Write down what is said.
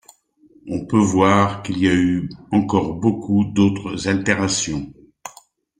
On peut voir qu'il y a eu encore beaucoup d'autres altérations.